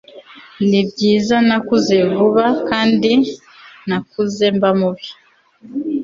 nibyiza, nakuze vuba kandi nakuze mba mubi